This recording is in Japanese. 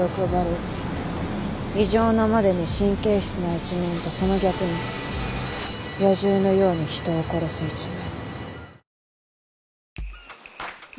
異常なまでに神経質な一面とその逆に野獣のように人を殺す一面。